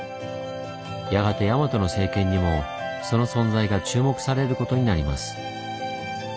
やがて大和の政権にもその存在が注目されることになります。